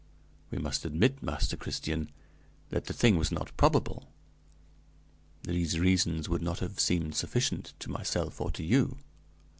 We must admit, Master Christian, that the thing was not probable; these reasons would not have seemed sufficient to myself or to you."